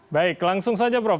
baik langsung saja prof